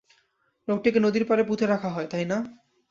লোকটিকে নদীর পাড়ে পুঁতে রাখা হয়, তাই না?